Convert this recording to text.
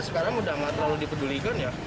sekarang udah gak terlalu dipedulikan ya